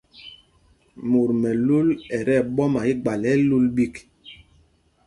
Mot mɛlu ɛ tí ɛɓɔma igbal ɛ lul ɓîk.